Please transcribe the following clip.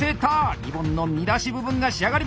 リボンの見出し部分が仕上がりました！